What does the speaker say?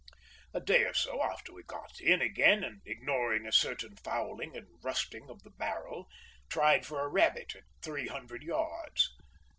A day or so after we got in again, and ignoring a certain fouling and rusting of the barrel, tried for a rabbit at three hundred yards.